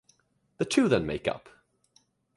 The two then makes up.